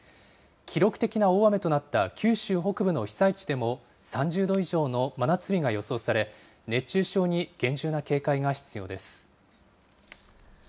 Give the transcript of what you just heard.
記録的な大雨となった九州北部の被災地でも３０度以上の真夏日が予想され、熱中症に厳重な警戒が必要です。